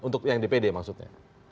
untuk yang dpd maksudnya